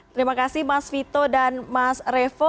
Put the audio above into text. terima kasih mas vito dan mas revo